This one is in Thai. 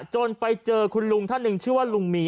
จนไปเจอคุณลุงท่านหนึ่งชื่อว่าลุงหมี